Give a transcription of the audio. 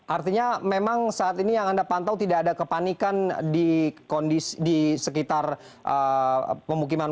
artinya memang saat ini yang anda pantau tidak ada kepanikan di sekitar pemukiman